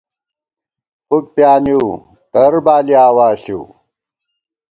فُک پیانِیؤ/ تر بالِی آوا ݪِؤ